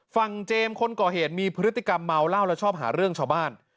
เจมส์คนก่อเหตุมีพฤติกรรมเมาเหล้าและชอบหาเรื่องชาวบ้าน